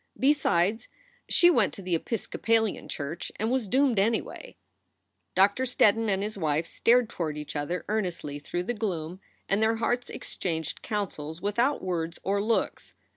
Besides, she went to the Episcopalian church and was doomed, anyway. Doctor Steddon and his wife stared toward each other earnestly through the gloom and their hearts exchanged counsels without words or looks.